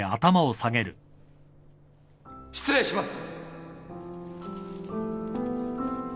失礼します